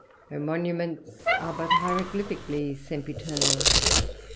Her monuments are but hieroglyphically sempiternal.